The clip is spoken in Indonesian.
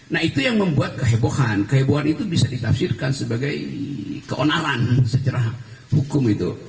nah itu yang membuat kehebohan kehebohan itu bisa ditafsirkan sebagai keonaran secara hukum itu